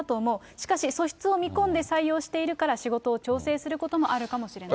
しかし、素質を見込んで採用しているから仕事を調整することもあるかもしれない。